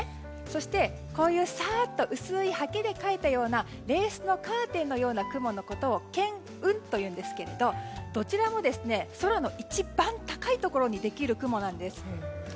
そして、こういうサーっと薄い刷毛で描いたようなレースのカーテンのような雲のことを巻雲というんですけれどどちらも空の一番高いところにできる雲なんです。